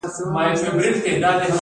هډوکي وزن برداشت کوي.